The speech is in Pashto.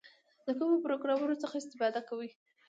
د کومو پروګرامونو څخه استفاده کوئ؟